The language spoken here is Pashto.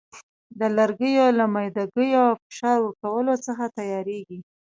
د لرګیو له میده ګیو او فشار ورکولو څخه تیاریږي.